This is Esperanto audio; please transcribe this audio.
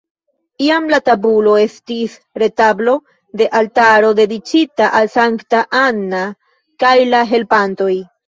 Iam la tabulo estis retablo de altaro dediĉita al Sankta Anna kaj la helpantoj.